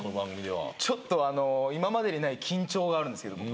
ちょっとあの今までにない緊張があるんですけど僕。